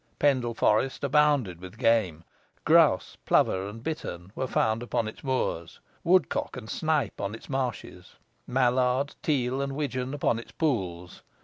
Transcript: Pendle forest abounded with game. Grouse, plover, and bittern were found upon its moors; woodcock and snipe on its marshes; mallard, teal, and widgeon upon its pools.